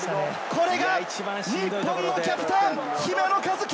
これが日本のキャプテン・姫野和樹！